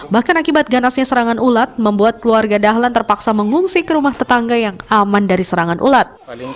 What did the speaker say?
bahkan akibat ganasnya serangan ulat membuat keluarga dahlan terpaksa mengungsi ke rumah tetangga yang aman dari serangan ulat